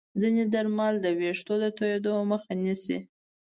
ځینې درمل د ویښتو د توییدو مخه نیسي.